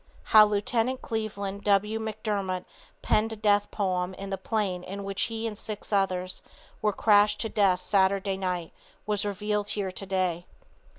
How Lieut. Cleveland W. McDermott penned a death poem in the plane in which he and six others were crashed to death Saturday night was revealed here today.